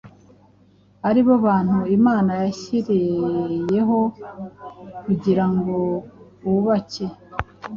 ari bo bantu Imana yashyiriyeho kugira ngo bubake